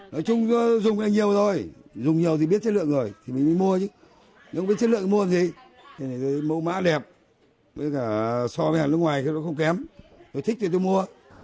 màu mã đẹp so với hàm nước ngoài thì nó không kém thích thì tôi mua